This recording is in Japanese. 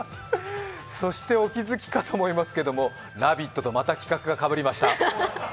お気づきかと思いますけど、「ラヴィット！」とまた企画がダブりました。